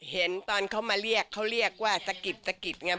เห็นตอนเขามาเรียกเขาเรียกว่าสะกิดสะกิดไง